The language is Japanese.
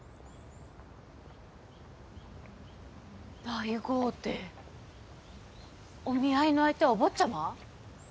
大豪邸お見合いの相手はおぼっちゃま？